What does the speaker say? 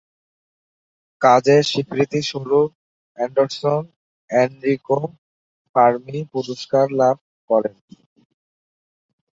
কাজের স্বীকৃতিস্বরূপ Anderson Enrico Fermi পুরস্কার লাভ করেন।